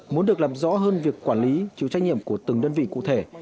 muốn được làm rõ hơn việc quản lý thiếu trách nhiệm của từng đơn vị cụ thể